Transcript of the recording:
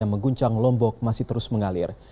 yang mengguncang lombok masih terus mengalir